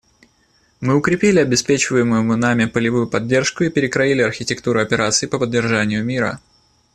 Мы укрепили обеспечиваемую нами полевую поддержку и перекроили архитектуру операций по поддержанию мира.